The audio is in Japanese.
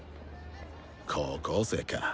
高校生か。